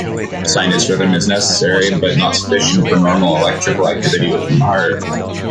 Sinus rhythm is necessary, but not sufficient, for normal electrical activity within the heart.